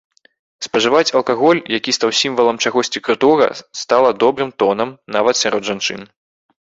Спажываць алкаголь, які стаў сімвалам чагосьці крутога, стала добрым тонам нават сярод жанчын.